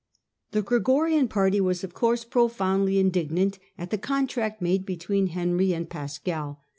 The Gregorian party was, of course, profoundly in dignant at the contract made between Henry and Compact Pascal.